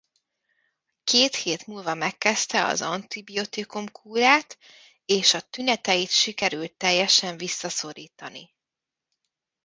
Két hét múlva megkezdte az antibiotikum-kúrát és a tüneteit sikerült teljesen visszaszorítani.